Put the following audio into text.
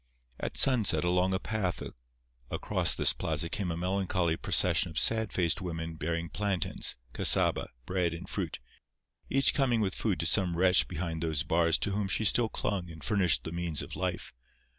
At sunset along a path across this plaza came a melancholy procession of sad faced women bearing plantains, cassaba, bread and fruit—each coming with food to some wretch behind those bars to whom she still clung and furnished the means of life.